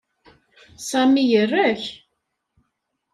Sami ira-k.